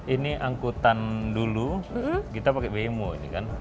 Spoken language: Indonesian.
ini angkutan dulu kita pakai bmo ini kan